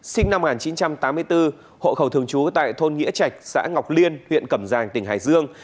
sinh năm một nghìn chín trăm tám mươi bốn hộ khẩu thường trú tại thôn nghĩa trạch xã ngọc liên huyện cẩm giang tỉnh hải dương